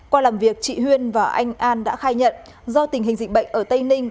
qua làm việc chị huyên và anh an đã khai nhận do tình hình dịch bệnh ở tây ninh